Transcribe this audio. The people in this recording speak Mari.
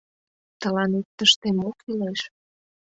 Тыланет тыште мо кӱлеш?